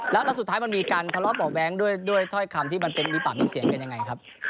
แล้วสุดท้ายมันมีการทะเลาะเบาะแว้งด้วยถ้อยคำที่มันเป็นมีปากมีเสียงกันยังไงครับ